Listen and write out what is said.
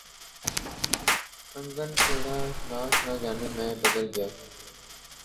انگن ٹیڑھا ناچ نہ جانے میں بدل گیا